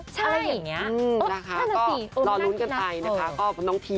ใช่นะคะรอลุ้นกันไปนะคะก็น้องพี